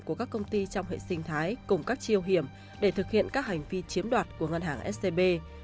của các công ty trong hệ sinh thái cùng các triêu hiểm để thực hiện các hành vi chiếm đoạt của ngân hàng scb